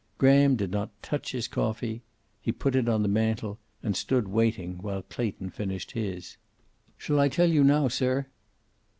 Graham did not touch his coffee. He put it on the mantel, and stood waiting while Clayton finished his. "Shall I tell you now, sir?"